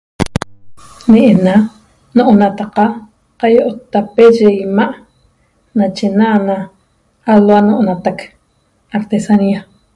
Ne'ena no'onataqa' qaio'ottape yi ima' nachena na alhua no'onatac artesanía